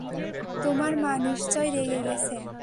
তোমার মা নিশ্চয়ই রেগে গেছে।